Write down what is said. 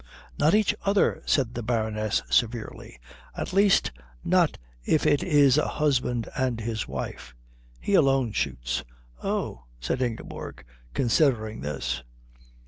"Not each other," said the Baroness severely. "At least, not if it is a husband and his wife. He alone shoots." "Oh," said Ingeborg, considering this.